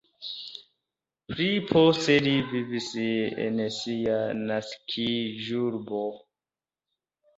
Pli poste li vivis en sia naskiĝurbo.